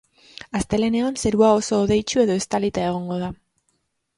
Astelehenean, zerua oso hodeitsu edo estalita egongo da.